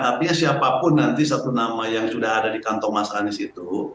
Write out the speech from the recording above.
artinya siapapun nanti satu nama yang sudah ada di kantong mas anies itu